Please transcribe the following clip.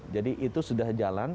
jadi itu sudah jalan